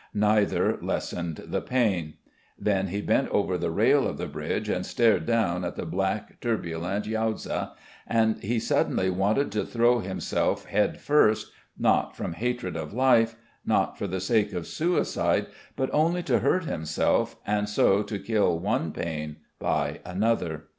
Neither lessened the pain. Then he bent over the rail of the bridge and stared down at the black, turbulent Yaouza, and he suddenly wanted to throw himself head first, not from hatred of life, not for the sake of suicide, but only to hurt himself and so to kill one pain by another.